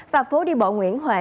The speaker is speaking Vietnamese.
và phố đi bộ nguyễn huệ